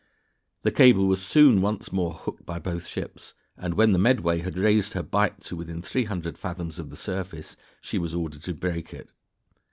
The cable was soon once more hooked by both ships, and when the Medway had raised her bight to within 300 fathoms of the surface she was ordered to break it.